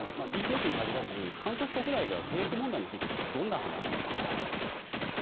ＢＴＳに限らず韓国国内では兵役義務についてはどんな話がされていますか？